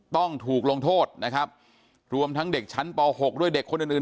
ต้องถูกลงโทษนะครับรวมทั้งเด็กชั้นป๖ด้วยเด็กคนอื่นอื่น